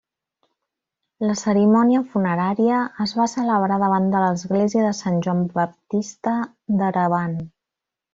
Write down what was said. La cerimònia funerària es va celebrar davant de l'Església de Sant Joan Baptista d'Erevan.